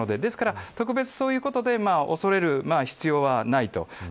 ですから、特別そういうことで恐れる必要はないと。